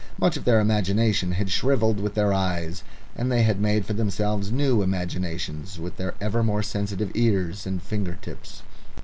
Much of their imagination had shrivelled with their eyes, and they had made for themselves new imaginations with their ever more sensitive ears and finger tips.